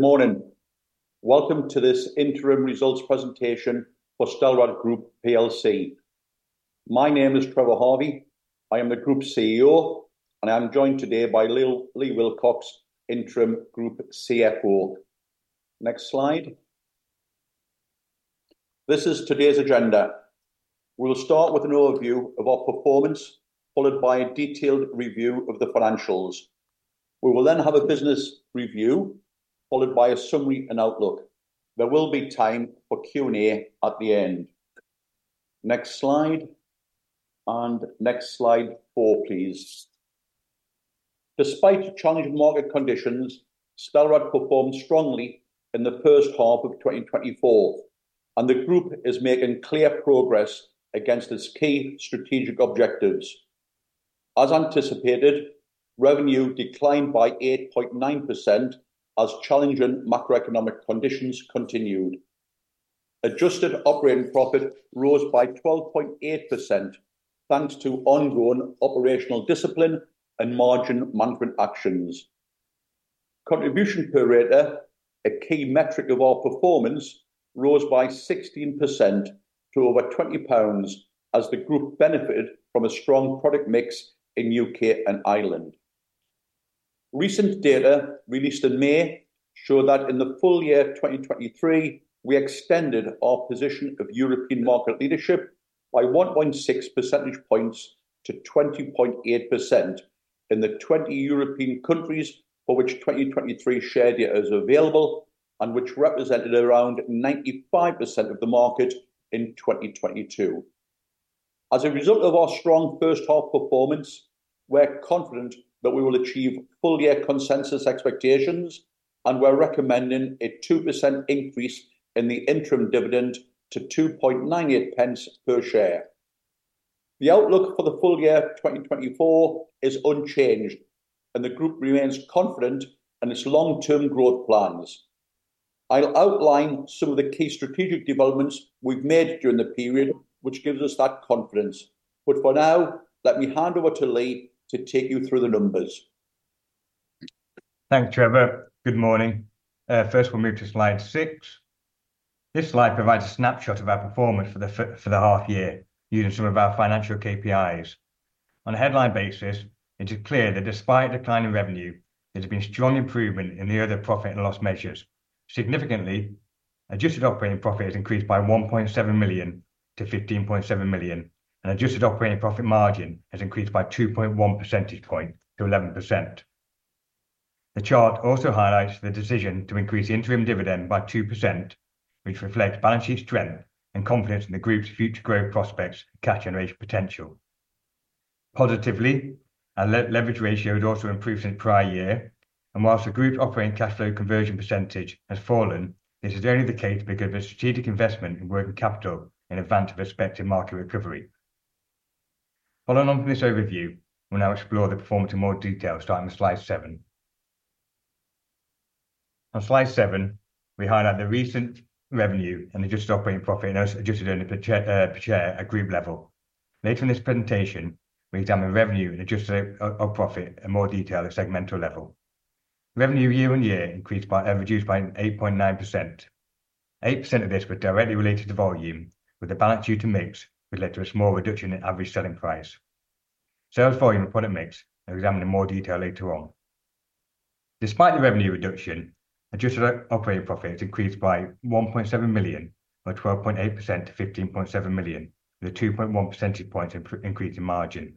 Good morning. Welcome to this interim results presentation for Stelrad Group PLC. My name is Trevor Harvey, I am the Group CEO, and I'm joined today by Lee Wilcox, interim Group CFO. Next slide. This is today's agenda. We'll start with an overview of our performance, followed by a detailed review of the financials. We will then have a business review, followed by a summary and outlook. There will be time for Q&A at the end. Next slide, and next slide four, please. Despite challenging market conditions, Stelrad performed strongly in the first half of 2024, and the group is making clear progress against its key strategic objectives. As anticipated, revenue declined by 8.9% as challenging macroeconomic conditions continued. Adjusted operating profit rose by 12.8%, thanks to ongoing operational discipline and margin management actions. Contribution per radiator, a key metric of our performance, rose by 16% to over 20 pounds as the group benefited from a strong product mix in U.K. and Ireland. Recent data released in May show that in the full year 2023, we extended our position of European market leadership by 1.6% points to 20.8% in the 20 European countries, for which 2023 share data is available, and which represented around 95% of the market in 2022. As a result of our strong first half performance, we're confident that we will achieve full year consensus expectations, and we're recommending a 2% increase in the interim dividend to 2.98 pence per share. The outlook for the full year 2024 is unchanged, and the group remains confident in its long-term growth plans. I'll outline some of the key strategic developments we've made during the period, which gives us that confidence. But for now, let me hand over to Lee to take you through the numbers. Thanks, Trevor. Good morning. First, we'll move to slide six. This slide provides a snapshot of our performance for the half year, using some of our financial KPIs. On a headline basis, it is clear that despite a decline in revenue, there's been strong improvement in the other profit and loss measures. Significantly, adjusted operating profit has increased by 1.7 million to 15.7 million, and adjusted operating profit margin has increased by 2.1% point to 11%. The chart also highlights the decision to increase the interim dividend by 2%, which reflects balance sheet strength and confidence in the group's future growth prospects and cash generation potential. Positively, our leverage ratio has also improved since prior year, and while the group's operating cash flow conversion percentage has fallen, this is only the case because of a strategic investment in working capital in advance of expected market recovery. Following on from this overview, we'll now explore the performance in more detail, starting with slide seven. On slide seven, we highlight the recent revenue and adjusted operating profit, and adjusted earnings per share, per share at group level. Later in this presentation, we examine revenue and adjusted operating profit in more detail at segmental level. Revenue year-on-year increased by, reduced by 8.9%. 8% of this was directly related to volume, with the balance due to mix, which led to a small reduction in average selling price. Sales volume and product mix are examined in more detail later on. Despite the revenue reduction, adjusted operating profit has increased by 1.7 million, or 12.8% to 15.7 million, with a 2.1% point increase in margin.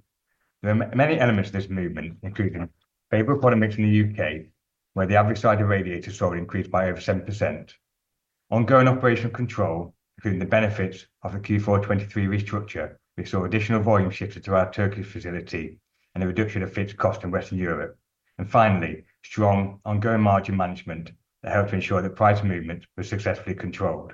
There are many elements to this movement, including favorable product mix in the U.K., where the average size of radiators saw an increase by over 7%. Ongoing operational control, including the benefits of the Q4 2023 restructure, which saw additional volume shifted to our Turkish facility and a reduction of fixed cost in Western Europe. And finally, strong ongoing margin management that helped ensure that price movements were successfully controlled.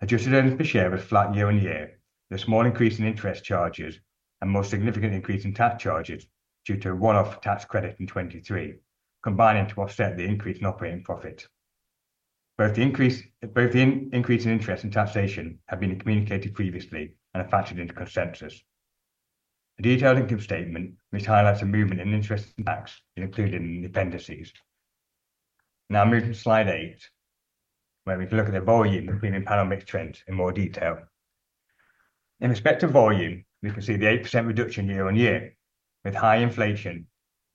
Adjusted earnings per share was flat year-on-year. The small increase in interest charges and more significant increase in tax charges, due to a one-off tax credit in 2023, combining to offset the increase in operating profits. Both the increase in interest and taxation have been communicated previously and are factored into consensus. A detailed income statement, which highlights the movement in interest and tax, is included in the appendices. Now moving to slide eight, where we can look at the volume between the panel mix trends in more detail. In respect to volume, we can see the 8% reduction year-on-year, with high inflation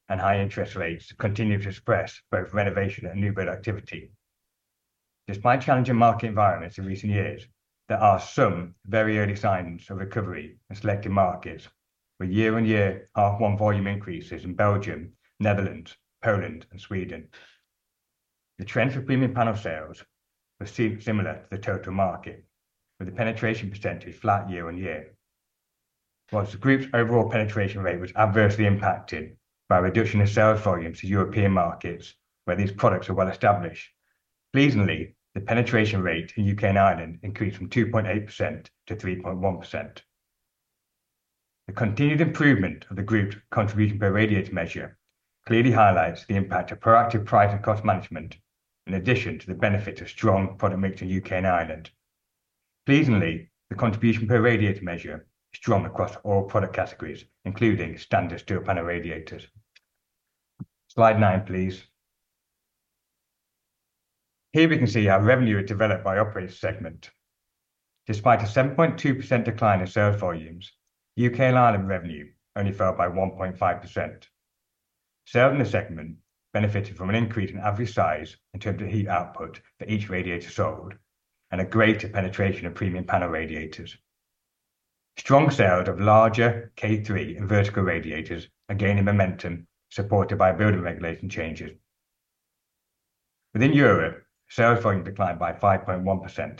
and high interest rates continuing to suppress both renovation and new build activity. Despite challenging market environments in recent years, there are some very early signs of recovery in selected markets, with year-on-year H1 volume increases in Belgium, Netherlands, Poland, and Sweden. The trends for premium panel sales were similar to the total market, with the penetration percentage flat year-on-year. While the group's overall penetration rate was adversely impacted by a reduction in sales volumes to European markets, where these products are well-established, pleasingly, the penetration rate in U.K. and Ireland increased from 2.8% to 3.1%. The continued improvement of the group's contribution per radiator measure clearly highlights the impact of proactive price and cost management, in addition to the benefit of strong product mix in U.K. and Ireland pleasingly, the contribution per radiator measure is strong across all product categories, including standard steel panel radiators. Slide nine, please. Here we can see how revenue is developed by operating segment. Despite a 7.2% decline in sales volumes, U.K. and Ireland revenue only fell by 1.5%. Sales in the segment benefited from an increase in average size in terms of heat output for each radiator sold, and a greater penetration of premium panel radiators. Strong sales of larger K3 and vertical radiators are gaining momentum, supported by building regulation changes. Within Europe, sales volume declined by 5.1%.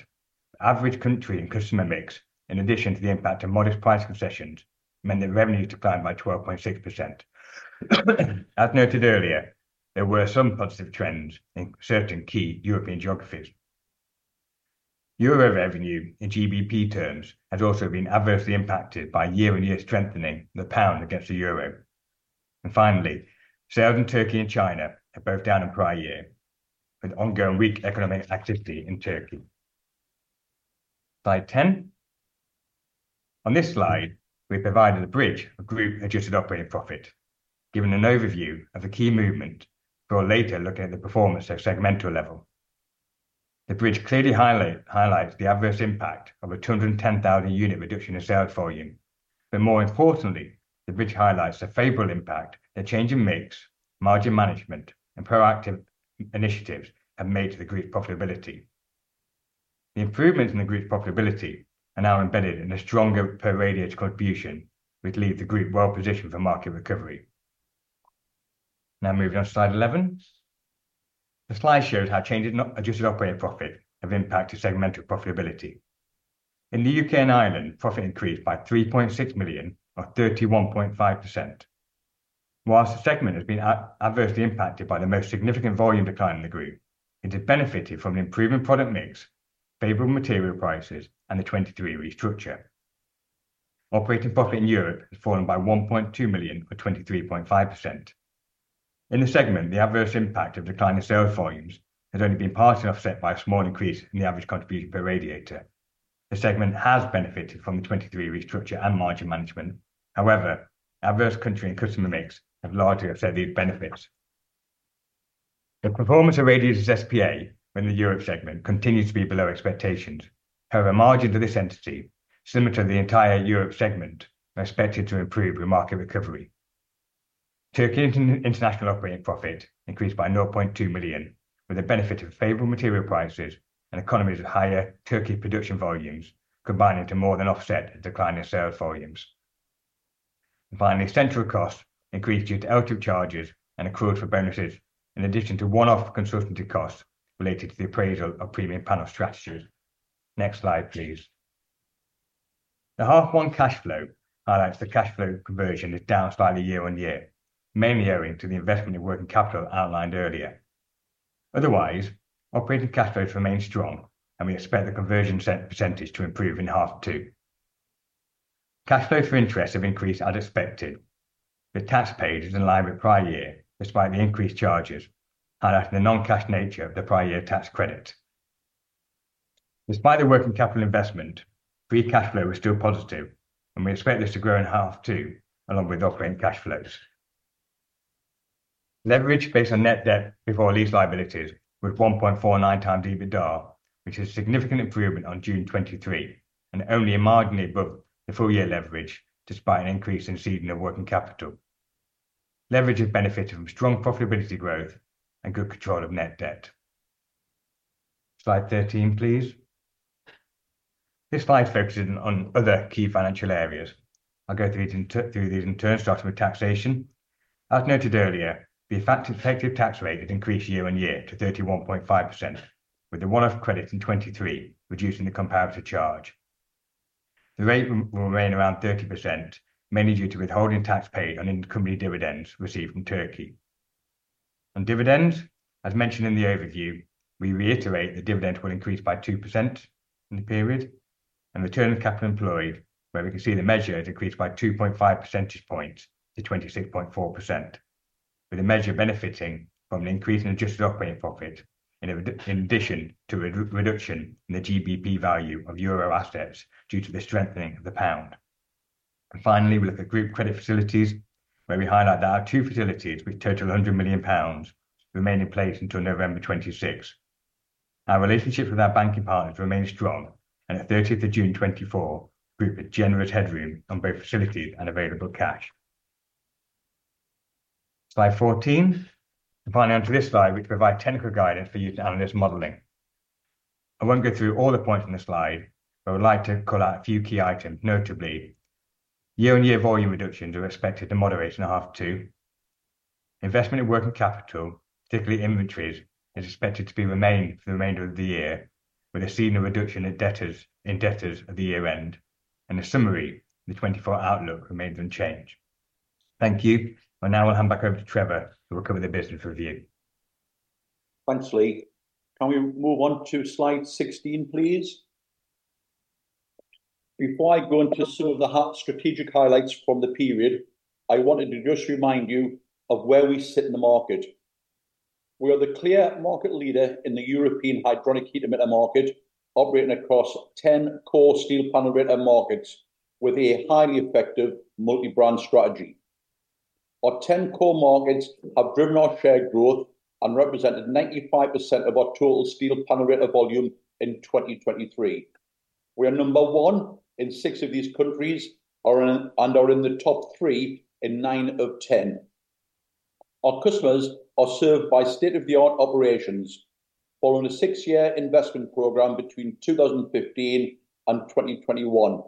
Average country and customer mix, in addition to the impact of modest price concessions, meant that revenue declined by 12.6%. As noted earlier, there were some positive trends in certain key European geographies. Euro revenue in GBP terms has also been adversely impacted by year-on-year strengthening the pound against the euro. And finally, sales in Turkey and China are both down on prior year, with ongoing weak economic activity in Turkey. Slide 10. On this slide, we've provided a bridge of group Adjusted Operating Profit, giving an overview of the key movement before later looking at the performance at segmental level. The bridge clearly highlights the adverse impact of a 210,000-unit reduction in sales volume. But more importantly, the bridge highlights the favorable impact that change in mix, margin management, and proactive initiatives have made to the group's profitability. The improvements in the group's profitability are now embedded in a stronger per radiator contribution, which leaves the group well positioned for market recovery. Now moving on to slide 11. This slide shows how changes in Adjusted Operating Profit have impacted segmental profitability. In the U.K. and Ireland, profit increased by 3.6 million, or 31.5%. While the segment has been adversely impacted by the most significant volume decline in the group, it has benefited from an improvement product mix, favorable material prices, and the 2023 restructure. Operating profit in Europe has fallen by 1.2 million, or 23.5%. In the segment, the adverse impact of decline in sales volumes has only been partially offset by a small increase in the average contribution per radiator. The segment has benefited from the 2023 restructure and margin management. However, adverse country and customer mix have largely offset these benefits. The performance of Radiators S.p.A. in the Europe segment continues to be below expectations. However, margins of this entity, similar to the entire Europe segment, are expected to improve with market recovery. Turkey & International operating profit increased by 0.2 million, with the benefit of favorable material prices and economies of higher Turkey production volumes combining to more than offset the decline in sales volumes. Finally, central costs increased due to outturn charges and accruals for benefits, in addition to one-off consultancy costs related to the appraisal of premium panel strategies. Next slide, please. The half one cash flow highlights the cash flow conversion is down slightly year-on-year, mainly owing to the investment in working capital outlined earlier. Otherwise, operating cash flows remain strong, and we expect the conversion percentage to improve in half two. Cash flows for interest have increased as expected. The tax paid is in line with prior year, despite the increased charges, highlighting the non-cash nature of the prior year tax credit. Despite the working capital investment, free cash flow is still positive, and we expect this to grow in half two, along with operating cash flows. Leverage based on net debt before lease liabilities was 1.49 times EBITDA, which is a significant improvement on June 2023, and only marginally above the full year leverage, despite an increase in seasonal working capital. Leverage has benefited from strong profitability growth and good control of net debt. Slide 13, please. This slide focuses on other key financial areas. I'll go through these in turn, starting with taxation. As noted earlier, the effective tax rate has increased year-on-year to 31.5%, with the one-off credit in 2023, reducing the comparative charge. The rate will remain around 30%, mainly due to withholding tax paid on intercompany dividends received from Turkey. On dividends, as mentioned in the overview, we reiterate the dividend will increase by 2% in the period, and return on capital employed, where we can see the measure has increased by 2.5% points to 26.4%, with the measure benefiting from an increase in Adjusted Operating Profit, in addition to a reduction in the GBP value of euro assets due to the strengthening of the pound. Finally, we look at group credit facilities, where we highlight that our two facilities, which total 100 million pounds, remain in place until November 2026. Our relationships with our banking partners remain strong, and at thirtieth of June 2024, group has generous headroom on both facilities and available cash. Slide 14. Finally, on to this slide, we provide technical guidance for use in analyst modeling. I won't go through all the points on the slide, but I would like to call out a few key items, notably, year-on-year volume reductions are expected to moderate in half two. Investment in working capital, particularly inventories, is expected to remain for the remainder of the year, with a seasonal reduction in debtors at the year-end. In a summary, the 2024 outlook remains unchanged. Thank you. Well, now I'll hand back over to Trevor to cover the business review. Thanks, Lee. Can we move on to slide 16, please? Before I go into some of the strategic highlights from the period, I wanted to just remind you of where we sit in the market. We are the clear market leader in the European hydronic heat emitter market, operating across 10 core steel panel radiator markets with a highly effective multi-brand strategy. Our 10 core markets have driven our share growth and represented 95% of our total steel panel radiator volume in 2023. We are number one in six of these countries, are in, and are in the top three in 9 of 10. Our customers are served by state-of-the-art operations, following a 6-year investment program between 2015 and 2021,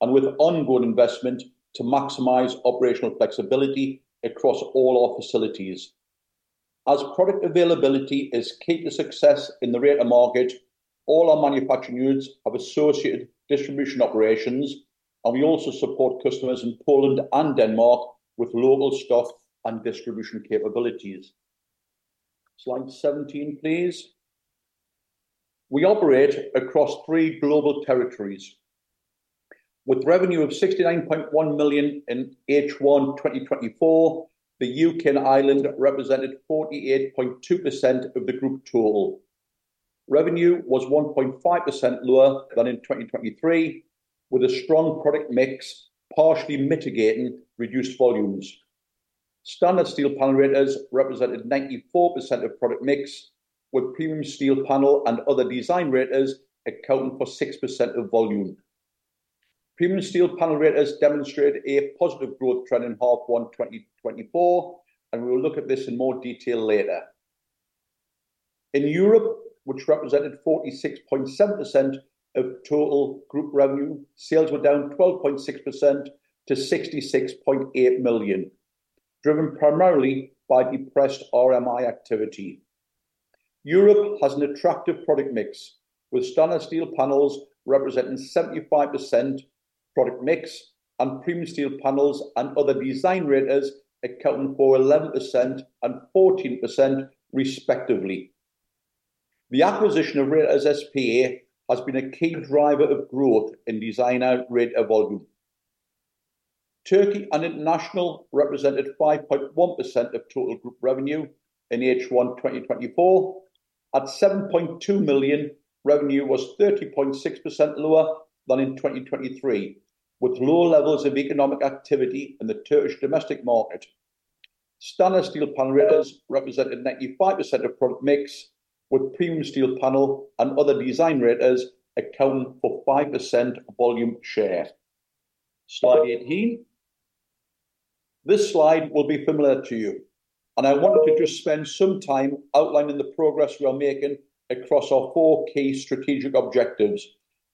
and with ongoing investment to maximize operational flexibility across all our facilities. As product availability is key to success in the radiator market, all our manufacturing units have associated distribution operations, and we also support customers in Poland and Denmark with local stock and distribution capabilities. Slide 17, please. We operate across three global territories. With revenue of 69.1 million in H1 2024, the U.K. and Ireland represented 48.2% of the group total. Revenue was 1.5% lower than in 2023, with a strong product mix partially mitigating reduced volumes. Standard steel panel radiators represented 94% of product mix, with premium steel panel and other design radiators accounting for 6% of volume. Premium steel panel radiators demonstrated a positive growth trend in H1 2024, and we will look at this in more detail later. In Europe, which represented 46.7% of total group revenue, sales were down 12.6% to 66.8 million, driven primarily by depressed RMI activity. Europe has an attractive product mix, with standard steel panels representing 75% product mix, and premium steel panels and other design radiators accounting for 11% and 14%, respectively. The acquisition of Radiators S.p.A. has been a key driver of growth in designer radiator volume. Turkey and International represented 5.1% of total group revenue in H1 2024. At 7.2 million, revenue was 30.6% lower than in 2023, with low levels of economic activity in the Turkish domestic market. Standard steel panel radiators represented 95% of product mix, with premium steel panel and other design radiators accounting for 5% volume share. Slide 18. This slide will be familiar to you, and I want to just spend some time outlining the progress we are making across our four key strategic objectives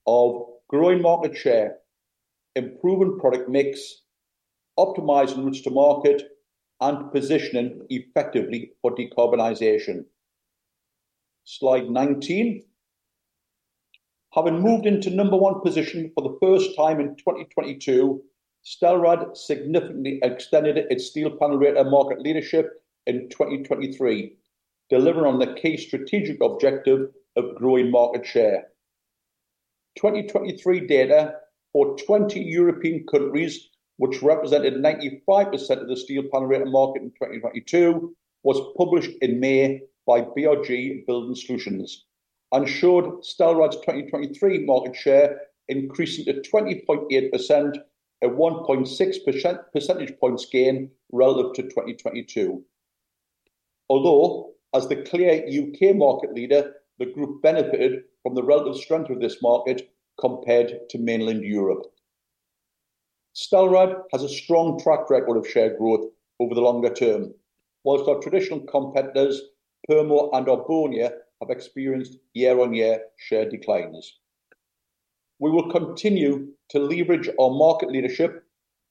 of growing market share, improving product mix, optimizing routes to market, and positioning effectively for decarbonization. Slide 19. Having moved into number one position for the first time in 2022, Stelrad significantly extended its steel panel radiator market leadership in 2023, delivering on the key strategic objective of growing market share. 2023 data for 20 European countries, which represented 95% of the steel panel radiator market in 2022, was published in May by BRG Building Solutions and showed Stelrad's 2023 market share increasing to 20.8%, a 1.6% points gain relative to 2022. Although as the clear U.K. market leader, the group benefited from the relative strength of this market compared to mainland Europe. Stelrad has a strong track record of share growth over the longer term, while our traditional competitors, Purmo and Arbonia, have experienced year-on-year share declines. We will continue to leverage our market leadership,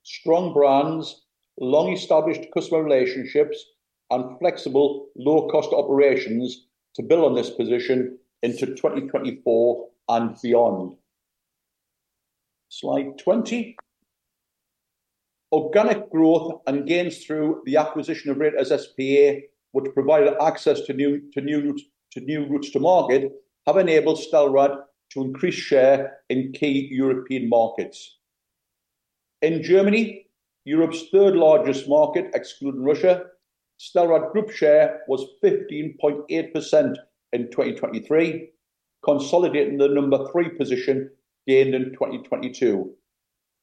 strong brands, long-established customer relationships, and flexible, low-cost operations to build on this position into 2024 and beyond. Slide 20. Organic growth and gains through the acquisition of Radiators S.p.A., which provided access to new routes to market, have enabled Stelrad to increase share in key European markets. In Germany, Europe's third-largest market, excluding Russia, Stelrad Group share was 15.8% in 2023, consolidating the number 3 position gained in 2022.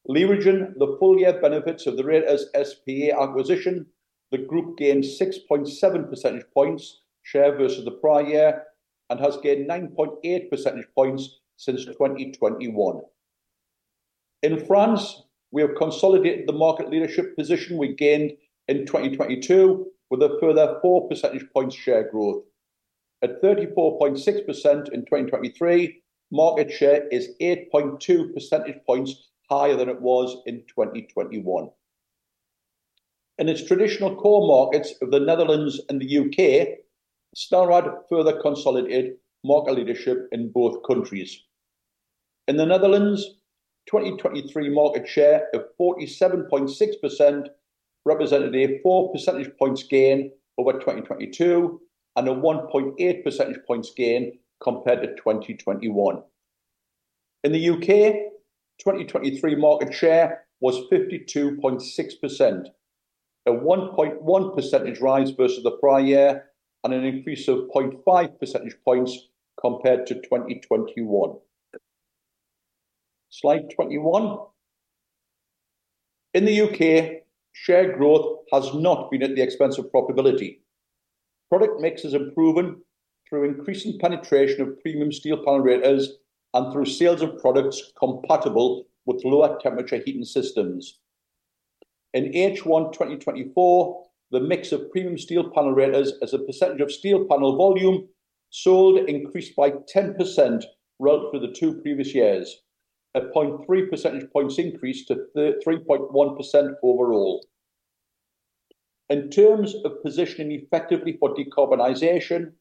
Leveraging the full year benefits of the Radiators S.p.A. acquisition, the group gained 6.7% points share versus the prior year and has gained 9.8% points since 2021. In France, we have consolidated the market leadership position we gained in 2022 with a further 4% points share growth. At 34.6% in 2023, market share is 8.2% points higher than it was in 2021. In its traditional core markets of the Netherlands and the U.K., Stelrad further consolidated market leadership in both countries. In the Netherlands, 2023 market share of 47.6% represented a 4% points gain over 2022, and a 1.8% points gain compared to 2021. In the U.K., 2023 market share was 52.6%, a 1.1% rise versus the prior year, and an increase of 0.5% points compared to 2021. Slide 21. In the U.K., share growth has not been at the expense of profitability. Product mix has improved through increasing penetration of premium steel panel radiators, and through sales of products compatible with lower temperature heating systems. In H1 2024, the mix of premium steel panel radiators as a percentage of steel panel volume sold increased by 10% relative to the two previous years, a 0.3% points increase to 3.1% overall. In terms of positioning effectively for decarbonization,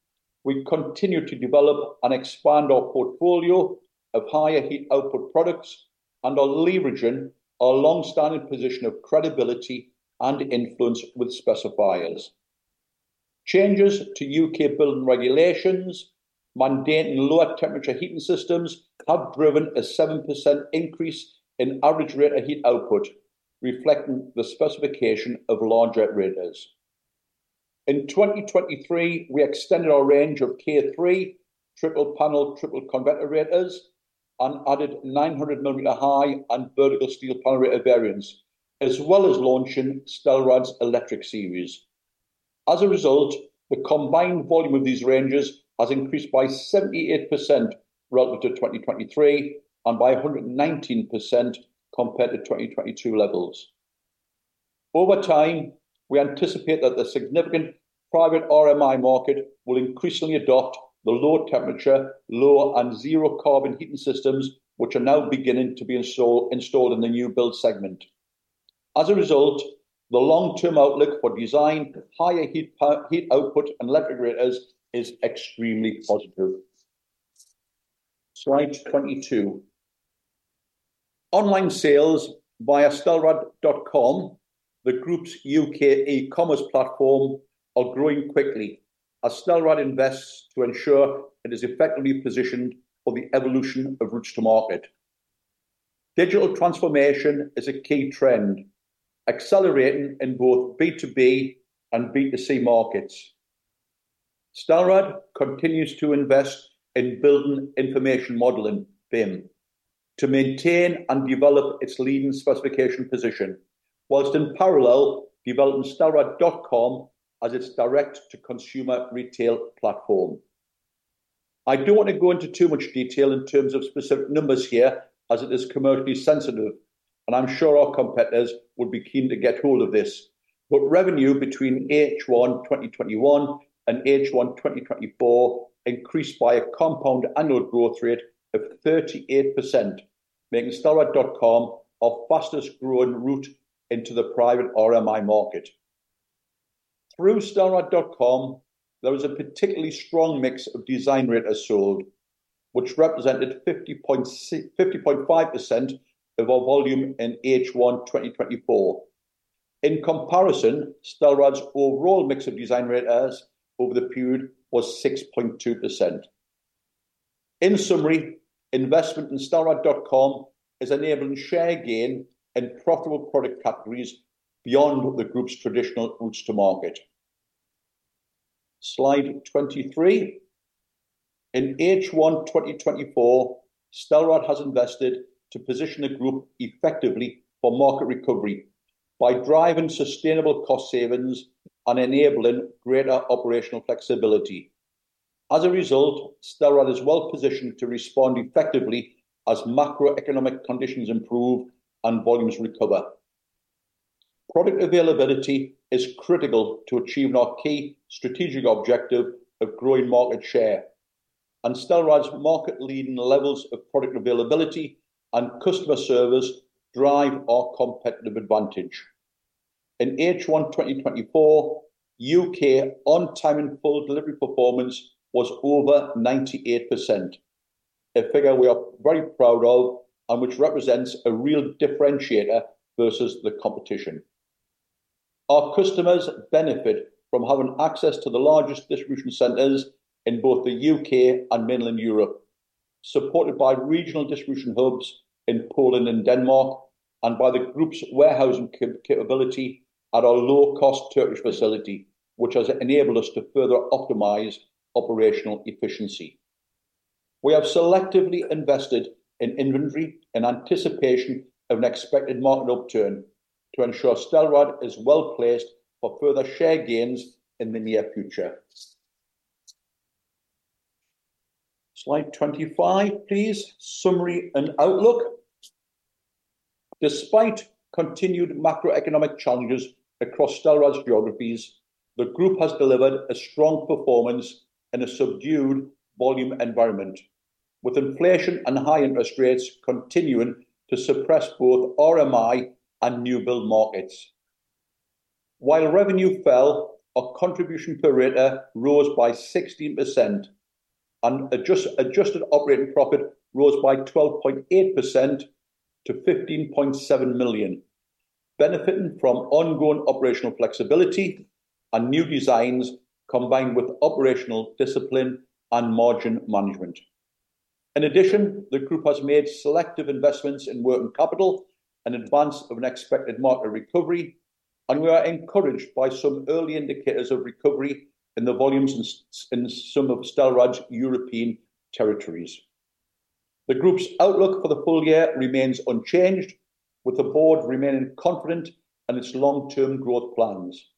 we continue to develop and expand our portfolio of higher heat output products, and are leveraging our long-standing position of credibility and influence with specifiers. Changes to U.K. building regulations mandating lower temperature heating systems have driven a 7% increase in average rate of heat output, reflecting the specification of higher-rate radiators. In 2023, we extended our range of K3 triple panel, triple convector radiators, and added 900 mm high and vertical steel panel radiator variants, as well as launching Stelrad's Electric Series. As a result, the combined volume of these ranges has increased by 78% relative to 2023, and by 119% compared to 2022 levels. Over time, we anticipate that the significant private RMI market will increasingly adopt the low temperature, low and zero carbon heating systems, which are now beginning to be installed in the new build segment. As a result, the long-term outlook for design, higher heat output, and electric radiators is extremely positive. Slide 22. Online sales via Stelrad.com, the group's U.K. e-commerce platform, are growing quickly as Stelrad invests to ensure it is effectively positioned for the evolution of routes to market. Digital transformation is a key trend, accelerating in both B2B and B2C markets. Stelrad continues to invest in building information modeling, BIM, to maintain and develop its leading specification position, whilst in parallel, developing Stelrad.com as its direct-to-consumer retail platform. I don't want to go into too much detail in terms of specific numbers here, as it is commercially sensitive, and I'm sure our competitors would be keen to get hold of this. But revenue between H1 2021 and H1 2024 increased by a compound annual growth rate of 38%, making Stelrad.com our fastest growing route into the private RMI market. Through Stelrad.com, there was a particularly strong mix of design radiators sold, which represented 50.5% of our volume in H1 2024. In comparison, Stelrad's overall mix of design radiators over the period was 6.2%. In summary, investment in Stelrad.com is enabling share gain in profitable product categories beyond the group's traditional routes to market. Slide 23. In H1 2024, Stelrad has invested to position the group effectively for market recovery by driving sustainable cost savings and enabling greater operational flexibility. As a result, Stelrad is well positioned to respond effectively as macroeconomic conditions improve and volumes recover. Product availability is critical to achieving our key strategic objective of growing market share, and Stelrad's market-leading levels of product availability and customer service drive our competitive advantage. In H1, 2024, U.K. on-time and full delivery performance was over 98%, a figure we are very proud of, and which represents a real differentiator versus the competition. Our customers benefit from having access to the largest distribution centers in both the U.K. and mainland Europe, supported by regional distribution hubs in Poland and Denmark, and by the group's warehousing capability at our low-cost Turkish facility, which has enabled us to further optimize operational efficiency. We have selectively invested in inventory in anticipation of an expected market upturn to ensure Stelrad is well-placed for further share gains in the near future. Slide 25, please. Summary and outlook. Despite continued macroeconomic challenges across Stelrad's geographies, the group has delivered a strong performance in a subdued volume environment, with inflation and high interest rates continuing to suppress both RMI and new build markets. While revenue fell, our contribution per radiator rose by 16% and adjusted operating profit rose by 12.8% to 15.7 million, benefiting from ongoing operational flexibility and new designs, combined with operational discipline and margin management. In addition, the group has made selective investments in working capital in advance of an expected market recovery, and we are encouraged by some early indicators of recovery in the volumes in some of Stelrad's European territories. The group's outlook for the full year remains unchanged, with the board remaining confident in its long-term growth plans.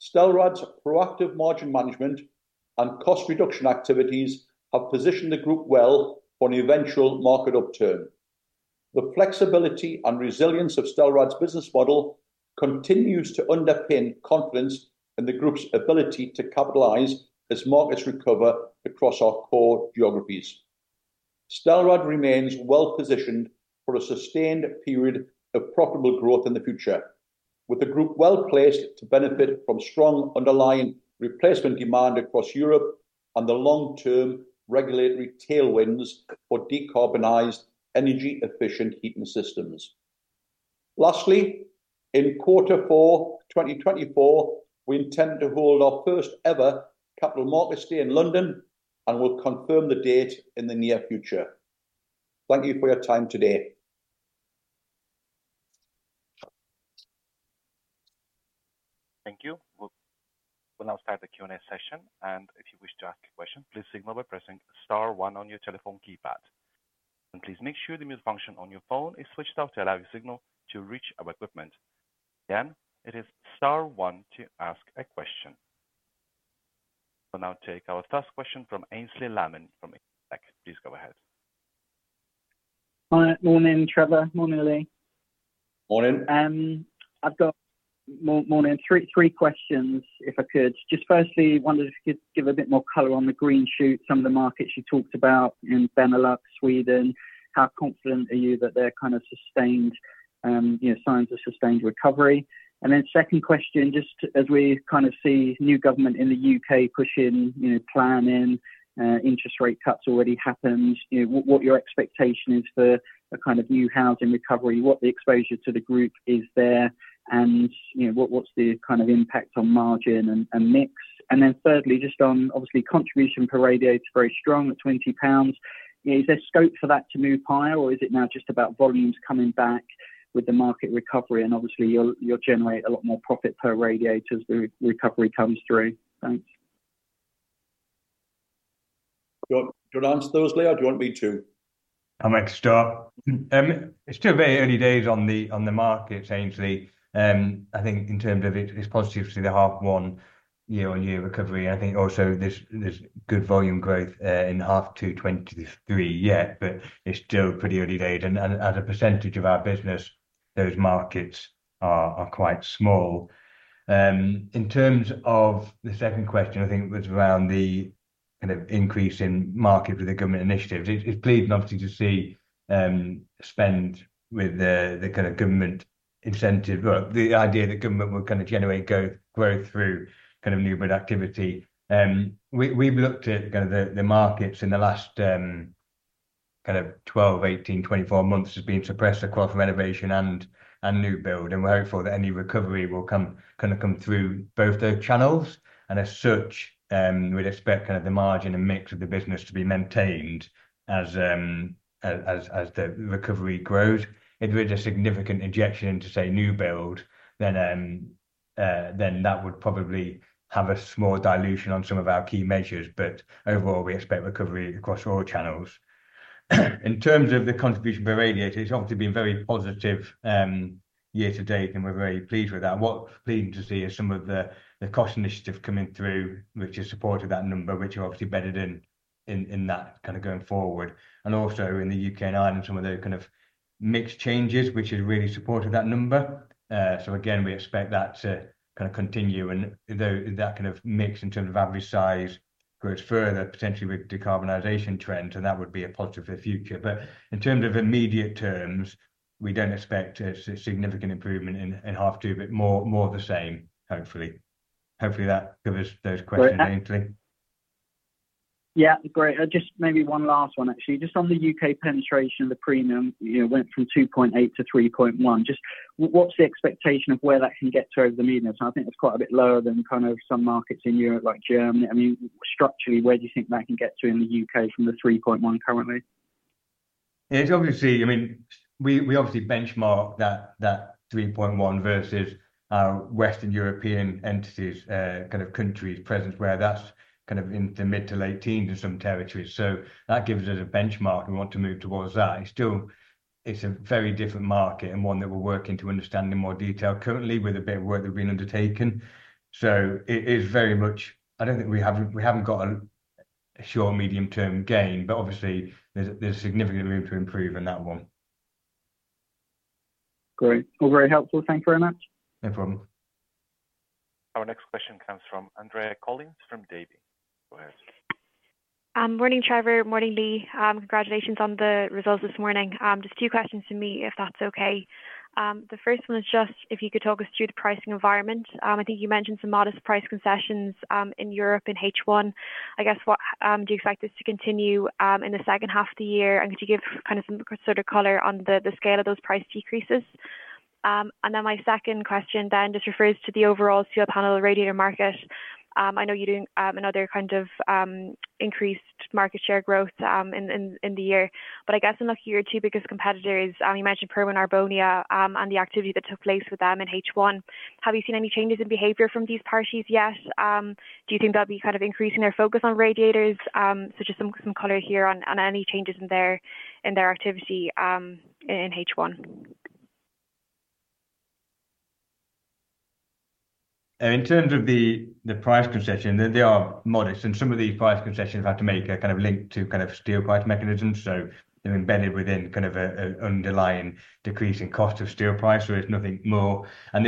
Stelrad's proactive margin management and cost reduction activities have positioned the group well for an eventual market upturn. The flexibility and resilience of Stelrad's business model continues to underpin confidence in the group's ability to capitalize as markets recover across our core geographies. Stelrad remains well-positioned for a sustained period of profitable growth in the future, with the group well-placed to benefit from strong underlying replacement demand across Europe and the long-term regulatory tailwinds for decarbonized, energy-efficient heating systems. Lastly, in quarter four, 2024, we intend to hold our first-ever Capital Markets Day in London and will confirm the date in the near future. Thank you for your time today. Thank you. We'll now start the Q&A session, and if you wish to ask a question, please signal by pressing star one on your telephone keypad. And please make sure the mute function on your phone is switched off to allow your signal to reach our equipment. Again, it is star one to ask a question. We'll now take our first question from Aynsley Lammin from Investec. Please go ahead. Hi. Morning, Trevor. Morning, Lee. Morning. Morning. Three questions, if I could. Just firstly, I wondered if you could give a bit more color on the green shoots, some of the markets you talked about in Benelux, Sweden. How confident are you that they're kind of sustained, you know, signs of sustained recovery? And then second question, just as we kind of see new government in the U.K. pushing, you know, planning, interest rate cuts already happened, you know, what your expectation is for a kind of new housing recovery, what the exposure to the group is there, and, you know, what's the kind of impact on margin and mix? And then thirdly, just on obviously, contribution per radiator is very strong at 20 pounds. Is there scope for that to move higher, or is it now just about volumes coming back with the market recovery? Obviously, you'll, you'll generate a lot more profit per radiator as the recovery comes through. Thanks. Do you want to answer those, Lee, or do you want me to? I'll make a start. It's still very early days on the markets, Aynsley. I think in terms of it, it's positive to see the H1 year-on-year recovery. I think also there's good volume growth in H2 2023 yet, but it's still pretty early days. And at a percentage of our business, those markets are quite small. In terms of the second question, I think it was around the kind of increase in market with the government initiatives. It's pleasing, obviously, to see spend with the kind of government incentive, well, the idea that government will kind of generate growth through kind of new build activity. We've looked at the markets in the last 12, 18, 24 months as being suppressed across renovation and new build, and we're hopeful that any recovery will come through both those channels. And as such, we'd expect the margin and mix of the business to be maintained as the recovery grows. If we had a significant injection into, say, new build, then that would probably have a small dilution on some of our key measures, but overall, we expect recovery across all channels. In terms of the contribution per radiator, it's obviously been very positive year to date, and we're very pleased with that. What we're pleased to see is some of the cost initiative coming through, which has supported that number, which are obviously bedded in in that kind of going forward. And also in the U.K. and Ireland, some of the kind of mix changes, which has really supported that number. So again, we expect that to kind of continue, and though that kind of mix in terms of average size grows further, potentially with decarbonization trends, and that would be a positive for the future. But in terms of immediate terms, we don't expect a significant improvement in half two, but more the same, hopefully. Hopefully, that covers those questions, Aynsley. Yeah, great. Just maybe one last one, actually. Just on the U.K. penetration, the premium, you know, went from 2.8 to 3.1. Just what's the expectation of where that can get to over the medium term? I think it's quite a bit lower than kind of some markets in Europe, like Germany. I mean, structurally, where do you think that can get to in the U.K. from the 3.1 currently? It's obviously, I mean, we obviously benchmark that 3.1 versus our Western European entities, kind of countries presence, where that's kind of in the mid- to late teens in some territories. So that gives us a benchmark. We want to move towards that. It's still a very different market and one that we're working to understand in more detail currently with a bit of work that we've been undertaking. So it is very much I don't think we haven't, we haven't got a short-medium-term gain, but obviously, there's significant room to improve in that one. Great. Well, very helpful. Thank you very much. No problem. Our next question comes from Andrea Collins from Davy. Go ahead. Morning, Trevor. Morning, Lee. Congratulations on the results this morning. Just two questions from me, if that's okay. The first one is just if you could talk us through the pricing environment. I think you mentioned some modest price concessions in Europe in H1. I guess, what do you expect this to continue in the second half of the year? And could you give kind of some sort of color on the scale of those price decreases? And then my second question then just refers to the overall steel panel radiator market. I know you're doing another kind of increased market share growth in the year. But I guess I'm looking here too, because competitors, you mentioned Purmo and Arbonia, and the activity that took place with them in H1. Have you seen any changes in behavior from these parties yet? Do you think they'll be kind of increasing their focus on radiators? So just some color here on any changes in their activity in H1. In terms of the price concession, they are modest, and some of these price concessions have to make a kind of link to kind of steel price mechanisms. So they're embedded within kind of a underlying decrease in cost of steel price, so it's nothing more. And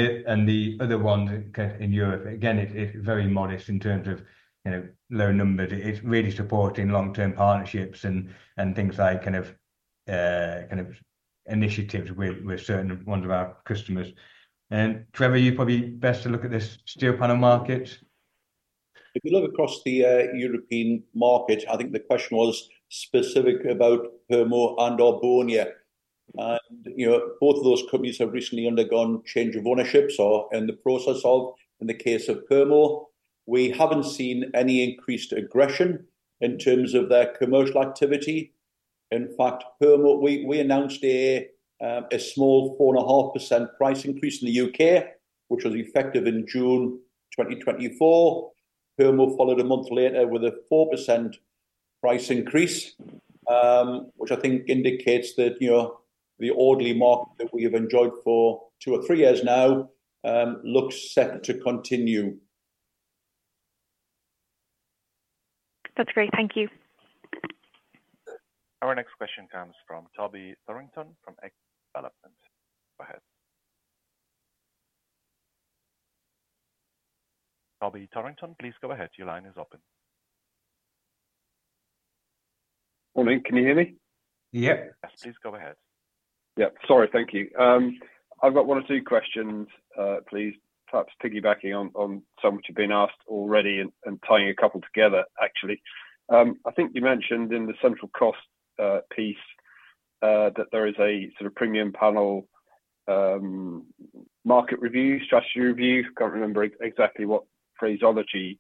the other one in Europe, again, it's very modest in terms of, you know, low numbers. It's really supporting long-term partnerships and things like kind of initiatives with certain ones of our customers. And Trevor, you're probably best to look at the steel panel market. If you look across the European market, I think the question was specific about Purmo and/or Arbonia. And, you know, both of those companies have recently undergone change of ownerships or in the process of, in the case of Purmo. We haven't seen any increased aggression in terms of their commercial activity. In fact, Purmo, we, we announced a a small 4.5% price increase in the U.K., which was effective in June 2024. Purmo followed a month later with a 4% price increase, which I think indicates that, you know, the orderly market that we have enjoyed for two or three years now looks set to continue. That's great. Thank you. Our next question comes from Toby Thorrington, from Equity Development. Go ahead. Toby Thorrington, please go ahead. Your line is open. Morning, can you hear me? Yep. Yes. Please go ahead. Yep. Sorry, thank you. I've got one or two questions, please, perhaps piggybacking on some which have been asked already and tying a couple together, actually. I think you mentioned in the central cost piece that there is a sort of premium panel market review, strategy review. I can't remember exactly what phraseology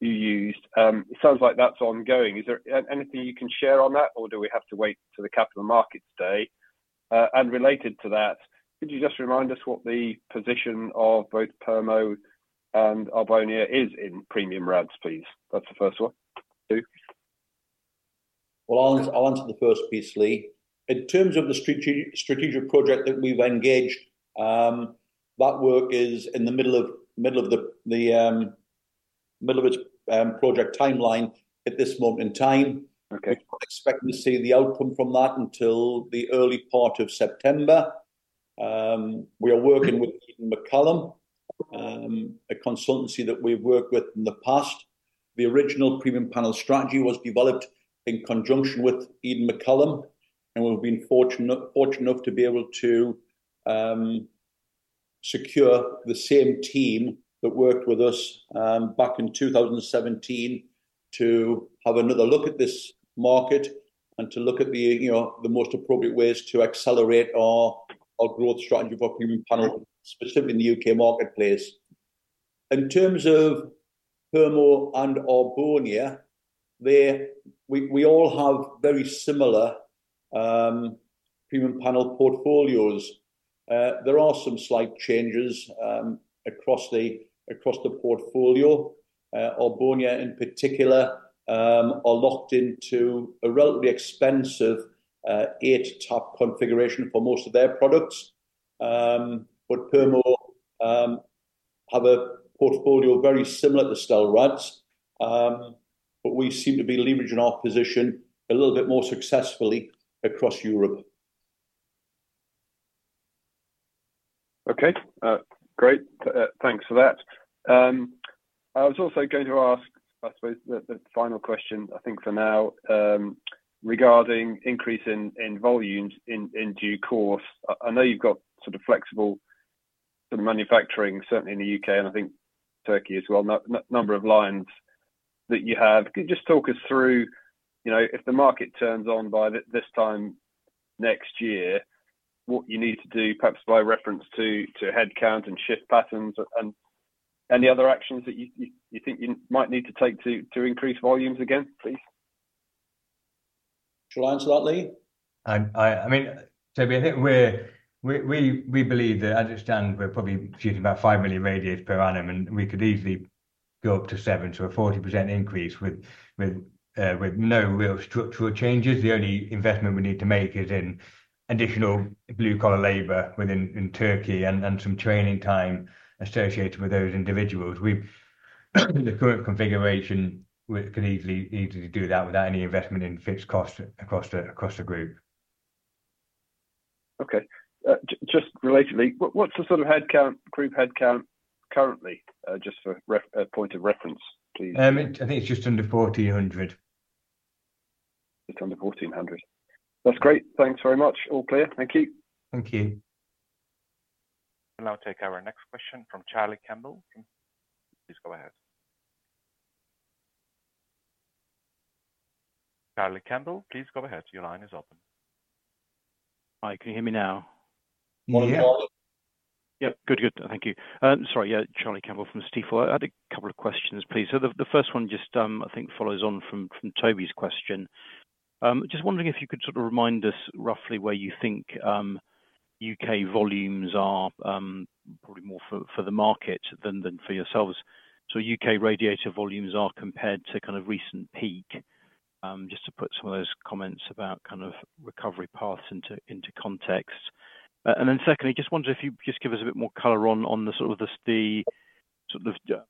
you used. It sounds like that's ongoing. Is there anything you can share on that, or do we have to wait till the capital markets day? And related to that, could you just remind us what the position of both Purmo and Arbonia is in premium rads, please? That's the first one, two. Well, I'll answer the first piece, Lee. In terms of the strategic project that we've engaged, that work is in the middle of its project timeline at this moment in time. Okay. We're not expecting to see the outcome from that until the early part of September. We are working with Eden McCallum, a consultancy that we've worked with in the past. The original premium panel strategy was developed in conjunction with Eden McCallum, and we've been fortunate enough to be able to secure the same team that worked with us back in 2017, to have another look at this market and to look at the, you know, the most appropriate ways to accelerate our growth strategy for premium panel, specifically in the U.K. marketplace. In terms of Purmo and Arbonia, we all have very similar premium panel portfolios. There are some slight changes across the portfolio. Arbonia in particular are locked into a relatively expensive 80/20 configuration for most of their products. But Purmo have a portfolio very similar to Stelrad, but we seem to be leveraging our position a little bit more successfully across Europe. Okay. Great. Thanks for that. I was also going to ask, I suppose, the final question, I think for now, regarding increase in volumes in due course. I know you've got sort of flexible manufacturing, certainly in the U.K., and I think Turkey as well, number of lines that you have. Could you just talk us through, you know, if the market turns on by this time next year, what you need to do, perhaps by reference to headcount and shift patterns and any other actions that you think you might need to take to increase volumes again, please? Shall I answer that, Lee? I mean, Toby, I think we believe that as I understand, we're probably shooting about 5 million radiators per annum, and we could easily go up to 7, so a 40% increase with no real structural changes. The only investment we need to make is in additional blue-collar labor within Turkey and some training time associated with those individuals. In the current configuration, we can easily do that without any investment in fixed cost across the group. Okay. Just relatedly, what's the sort of headcount, group headcount currently, just for ref, point of reference, please? I think it's just under 1,400. Just under 1,400. That's great. Thanks very much. All clear. Thank you. Thank you. We'll now take our next question from Charlie Campbell. Please go ahead. Charlie Campbell, please go ahead. Your line is open. Hi, can you hear me now? Yes. Morning, all. Yeah. Good, good. Thank you. Sorry, yeah, Charlie Campbell from Stifel. I had a couple of questions, please. So the first one just, I think follows on from Toby's question. Just wondering if you could sort of remind us roughly where you think U.K. volumes are, probably more for the market than for yourselves. So U.K. radiator volumes are compared to kind of recent peak, just to put some of those comments about kind of recovery paths into context. And then secondly, just wonder if you just give us a bit more color on the sort of the sort of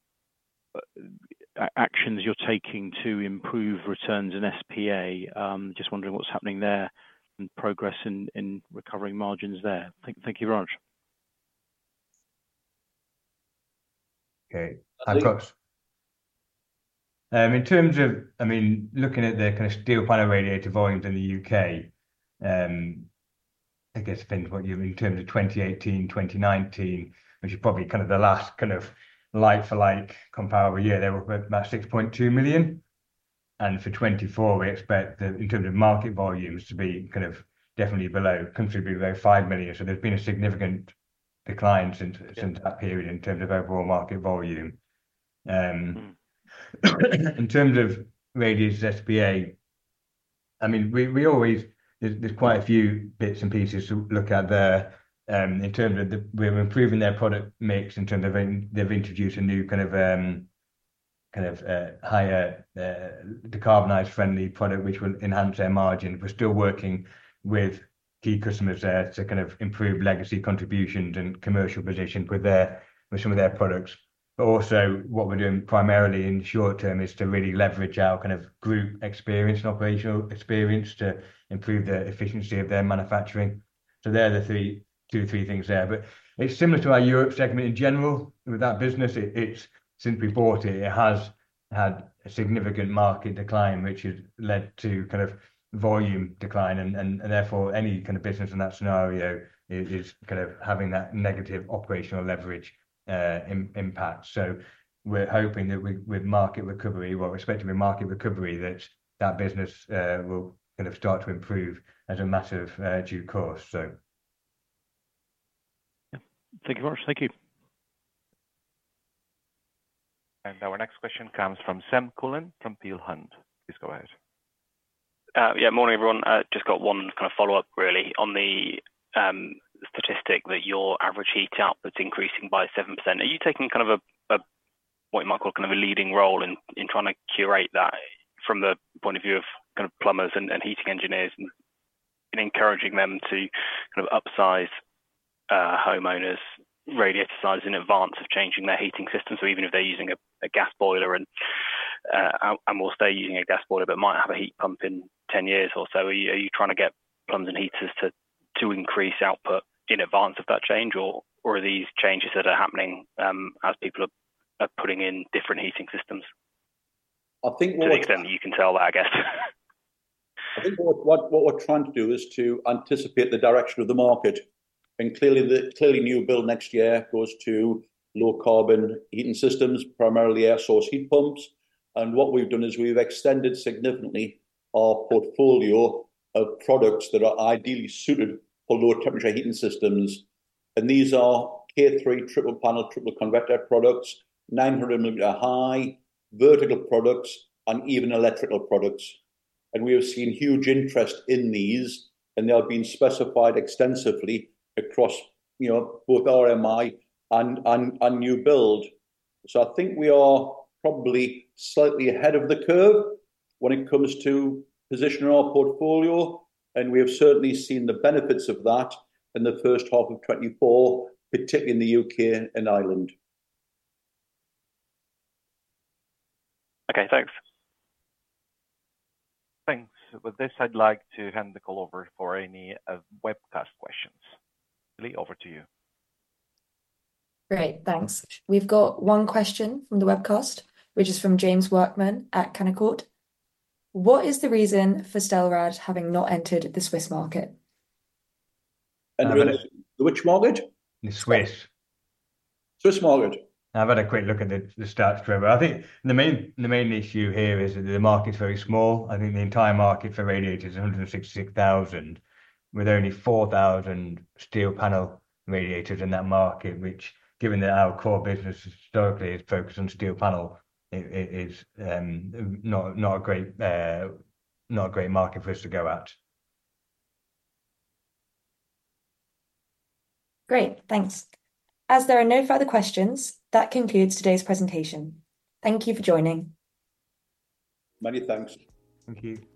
actions you're taking to improve returns in SPA. Just wondering what's happening there and progress in recovering margins there. Thank you very much. Okay. [On track]? In terms of, I mean, looking at the kind of steel panel radiator volumes in the U.K., I guess. In terms of 2018, 2019, which is probably kind of the last kind of like-for-like comparable year, they were about 6.2 million, and for 2024, we expect the, in terms of market volumes, to be kind of definitely below, considerably below 5 million. So there's been a significant decline since that period in terms of overall market volume. In terms of Radiators S.p.A., I mean, we always, there's quite a few bits and pieces to look at there, in terms of the, we're improving their product mix, in terms of they've introduced a new kind of kind of higher decarbonization-friendly product, which will enhance their margin. We're still working with key customers there to kind of improve legacy contributions and commercial position with their, with some of their products. But also what we're doing primarily in the short term is to really leverage our kind of group experience and operational experience to improve the efficiency of their manufacturing. So they're the three, two, three things there, but it's similar to our Europe segment in general. With that business, it, it's, since we bought it, it has had a significant market decline, which has led to kind of volume decline and, and therefore, any kind of business in that scenario is, is kind of having that negative operational leverage impact. So we're hoping that with, with market recovery, or expecting with market recovery, that that business will kind of start to improve as a matter of due course, so. Yeah. Thank you very much. Thank you. Our next question comes from Sam Cullen from Peel Hunt. Please go ahead. Yeah, morning, everyone. I just got one kind of follow-up really. On the statistic that your average heat output is increasing by 7%, are you taking kind of a what you might call kind of a leading role in trying to curate that from the point of view of kind of plumbers and heating engineers and encouraging them to kind of upsize homeowners radiator size in advance of changing their heating system? So even if they're using a gas boiler and will stay using a gas boiler, but might have a heat pump in 10 years or so. Are you trying to get plumbers and heaters to increase output in advance of that change? Or are these changes that are happening as people are putting in different heating systems? I think what- To the extent that you can tell that, I guess. I think what we're trying to do is to anticipate the direction of the market, and clearly new build next year goes to low carbon heating systems, primarily air source heat pumps. And what we've done is we've extended significantly our portfolio of products that are ideally suited for lower temperature heating systems. And these are K3 triple panel, triple convector products, 900mm high, vertical products, and even electrical products. And we have seen huge interest in these, and they have been specified extensively across, you know, both RMI and new build. So I think we are probably slightly ahead of the curve when it comes to positioning our portfolio, and we have certainly seen the benefits of that in the first half of 2024, particularly in the U.K. and Ireland. Okay, thanks. Thanks. With this, I'd like to hand the call over for any webcast questions. Lee, over to you. Great, thanks. We've got one question from the webcast, which is from James Workman at Canaccord. "What is the reason for Stelrad having not entered the Swiss market? And the which market? The Swiss. Swiss market. I've had a quick look at the stats for it, but I think the main issue here is that the market is very small. I think the entire market for radiators is 166,000, with only 4,000 steel panel radiators in that market, which, given that our core business historically is focused on steel panel, it is not a great market for us to go at. Great, thanks. As there are no further questions, that concludes today's presentation. Thank you for joining. Many, thanks. Thank you.